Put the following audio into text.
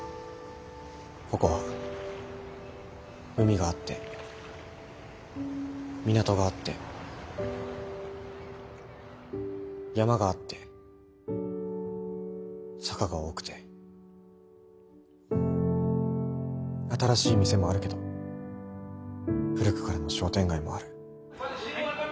ここは海があって港があって山があって坂が多くて新しい店もあるけど古くからの商店街もある。